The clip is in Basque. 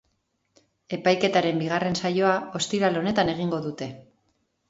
Epaiketaren bigarren saioa ostiral honetan egingo dute.